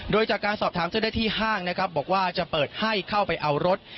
โดยจากการสอบถามเจ้าหน้าที่ห้างนะครับบอกว่าจะเปิดให้เข้าไปเอารถ